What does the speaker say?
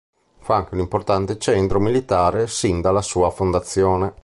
Fu anche un importante centro militare sin dalla sua fondazione.